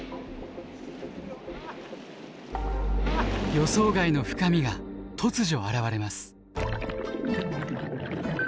予想外の深みが突如現れます。